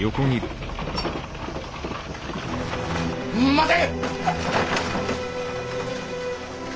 待て！